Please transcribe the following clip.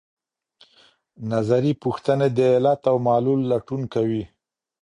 نظري پوښتنې د علت او معلول لټون کوي.